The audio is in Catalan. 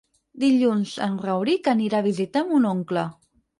Dilluns en Rauric anirà a visitar mon oncle.